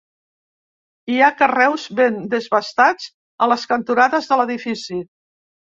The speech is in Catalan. Hi ha carreus ben desbastats a les cantonades de l'edifici.